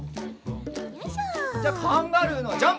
じゃあカンガルーのジャンプ。